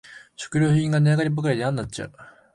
食料品が値上がりばかりでやんなっちゃう